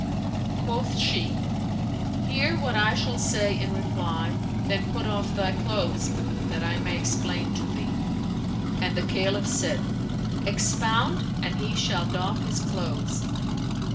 Quoth she, "Hear what I shall say in reply; then put off thy clothes, that I may explain to thee;" and the Caliph said, "Expound, and he shall doff his clothes."